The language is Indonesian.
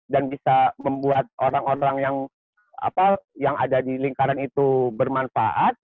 dan bisa membuat orang orang yang apa yang ada di lingkaran itu bermanfaat